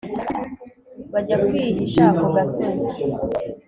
bajya kwihisha ku gasozi